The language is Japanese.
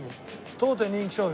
「当店人気商品」。